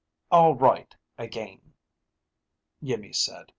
"All right again," Iimmi said.